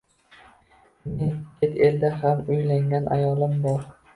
Mening chet elda ham uylangan ayolim bor.